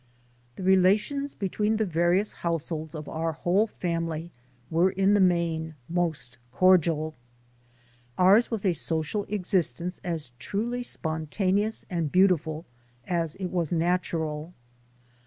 The relations between the various households of our whole familv were in the main most cordial. Ours 20 THE SOUL OF AN IMMIGRANT was a social existence as truly spontaneous and beautiful as it was natural.